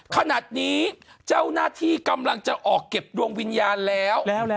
ขณะนี้เจ้าหน้าที่กำลังจะออกเก็บดวงวิญญาณแล้ว